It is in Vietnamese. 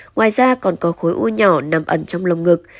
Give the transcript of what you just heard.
ngoài ra còn có khối u nhỏ nằm ẩn trong lồng ngực